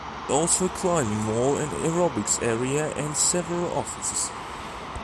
There is also a climbing wall, an aerobics area, and several offices.